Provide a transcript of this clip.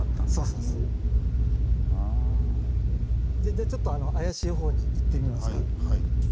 じゃあちょっと怪しい方に行ってみますか。